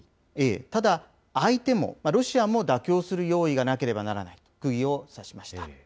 ただ相手も、ロシアも妥協する用意がなければならないと、くぎを刺しました。